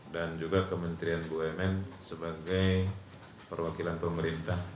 dan juga kementerian bumn sebagai perwakilan pemerintah